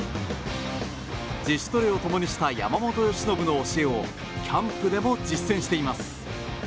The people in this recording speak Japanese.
自主トレを共にした山本由伸の教えをキャンプでも実践しています。